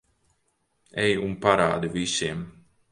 Ej un parādi visiem.